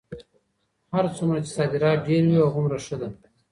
هر څومره چې صادرات ډېر وي هغومره ښه ده.